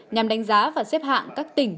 nhằm đánh giá và xếp hạng các tỉnh